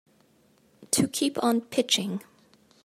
To keep on pitching.